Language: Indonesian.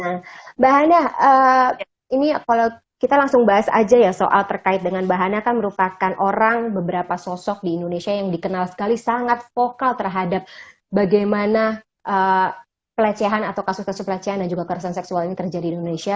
nah mbak hana ini kalau kita langsung bahas aja ya soal terkait dengan mbak hana kan merupakan orang beberapa sosok di indonesia yang dikenal sekali sangat vokal terhadap bagaimana pelecehan atau kasus kasus pelecehan dan juga kekerasan seksual ini terjadi di indonesia